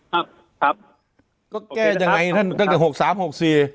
ครับครับก็แก้ยังไงท่านตั้งแต่หกสามหกสี่